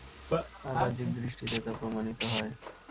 আর বাহ্যিক দৃষ্টিতে তা প্রমাণিত হয়।